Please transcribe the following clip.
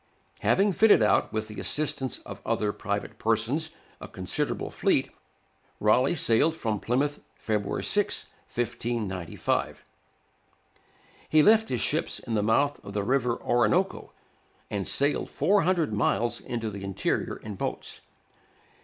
Having fitted out, with the assistance of other private persons, a considerable fleet, Raleigh sailed from Plymouth, February 6, 1595. He left his ships in the mouth of the river Orinoco, and sailed 400 miles into the interior in boats.